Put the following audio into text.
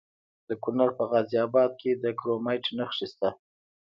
د کونړ په غازي اباد کې د کرومایټ نښې شته.